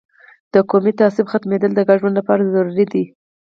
د قومي تعصب ختمیدل د ګډ ژوند لپاره ضروري ده.